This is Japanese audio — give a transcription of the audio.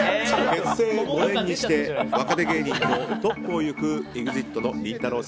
結成５年にして若手芸人のトップを行くＥＸＩＴのりんたろー。